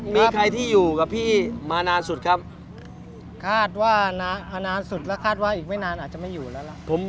มีใครที่อยู่กับพี่มานานสุดครับคาดว่านานสุดแล้วคาดว่าอีกไม่นานอาจจะไม่อยู่แล้วล่ะ